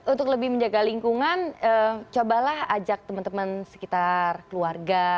untuk lebih menjaga lingkungan cobalah ajak teman teman sekitar keluarga